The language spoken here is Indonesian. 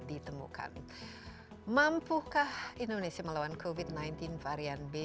ditemukan mampukah indonesia melawan covid sembilan belas varian b satu ratus tujuh belas inside with desi anwar akan membahasnya